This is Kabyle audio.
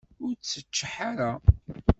Ur tteččeḥ ara!